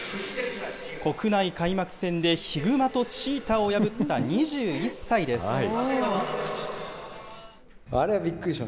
国内開幕戦でヒグマとチーターを破った２１歳です。